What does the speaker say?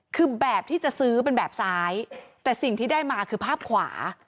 คือแบบที่จะซื้อเป็นแบบซ้ายแต่สิ่งที่ได้มาคือภาพขวา